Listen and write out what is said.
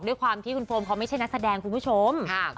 ด้วยความที่คุณโฟมเขาไม่ใช่นักแสดงคุณผู้ชม